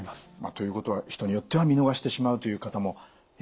ということは人によっては見逃してしまうという方もいらっしゃいますよね。